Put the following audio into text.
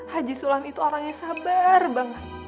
haji sulam itu orangnya sabar banget